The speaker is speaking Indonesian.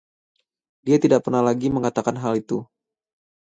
Dia tidak pernah lagi mengatakan hal itu.